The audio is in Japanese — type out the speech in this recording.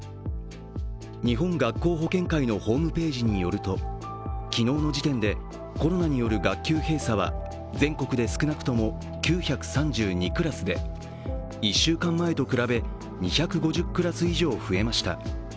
日本学校保健会のホームページによると昨日の時点でコロナによる学級閉鎖は全国で少なくとも９３２クラスで１週間前と比べ、２５０クラス以上増えました。